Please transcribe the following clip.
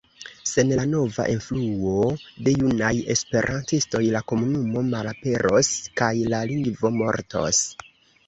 Sen la nova enfluo de junaj esperantistoj, la komunumo malaperos kaj la lingvo mortos.